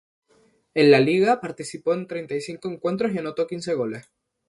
En la Liga, participó en treinta y cinco encuentros y anotó quince goles.